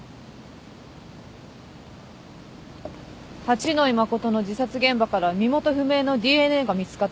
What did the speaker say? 八野衣真の自殺現場からは身元不明のＤＮＡが見つかっています。